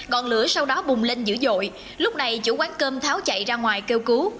ngọn lửa sau đó bùng lên dữ dội lúc này chủ quán cơm tháo chạy ra ngoài kêu cứu